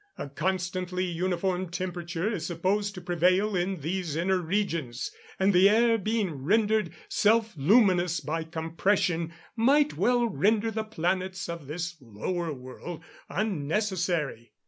A constantly uniform temperature is supposed to prevail in these inner regions, and the air being rendered self luminous by compression, might well render the planets of this lower world unnecessary.